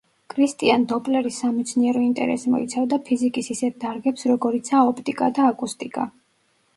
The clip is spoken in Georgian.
კრისტიან დოპლერის სამეცნიერო ინტერესი მოიცავდა ფიზიკის ისეთ დარგებს როგორიცაა: ოპტიკა და აკუსტიკა.